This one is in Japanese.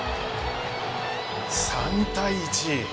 ３対１。